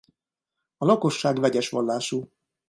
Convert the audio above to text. A lakosság vegyes vallású.